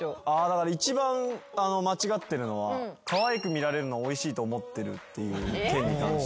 一番間違ってるのはかわいく見られるのをおいしいと思ってる件に関して。